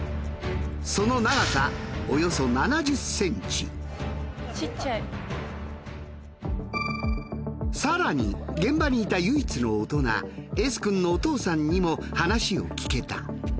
その長ささらに現場にいた唯一の大人Ｓ君のお父さんにも話を聞けた。